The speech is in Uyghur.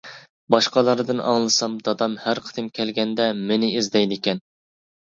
باشقىلاردىن ئاڭلىسام دادام ھەر قېتىم كەلگەندە مېنى ئىزدەيدىكەن.